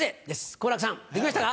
好楽さんできましたか？